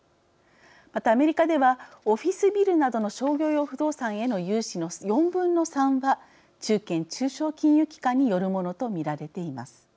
またアメリカではオフィスビルなどの商業用不動産への融資の４分の３は中堅・中小金融機関によるものと見られています。